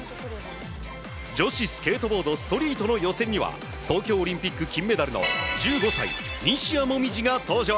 女子スケートボードストリートの予選には東京オリンピック金メダルの１５歳、西矢椛が登場。